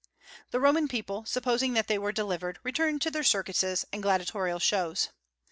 The Roman people, supposing that they were delivered, returned to their circuses and gladiatorial shows.